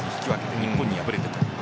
日本に敗れてという。